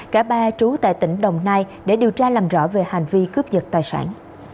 cả ba trú tại tỉnh đồng nai để điều tra làm rõ về hành vi cướp giật tài sản